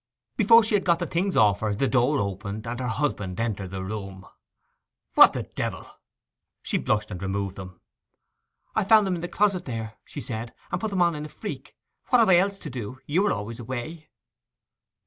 Before she had got the things off her the door opened, and her husband entered the room. 'What the devil—' She blushed, and removed them 'I found them in the closet here,' she said, 'and put them on in a freak. What have I else to do? You are always away!